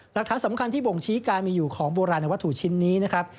หลักฐานสำคัญที่บ่งชี้การมีอยู่ของโบราณวัตถุชิ้นนี้นะครับ